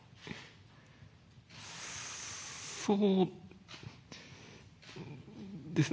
そうですね。